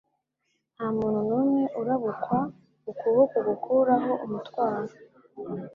Nta muntu n'umwe urabukwa ukuboko gukuraho umutwaro;